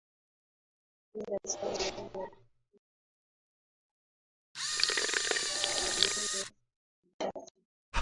mila zao na ikiwa unajua angalau maneno machache